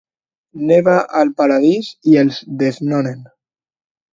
Neva al paradís i els desnonen.